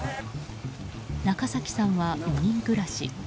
中崎さんは４人暮らし。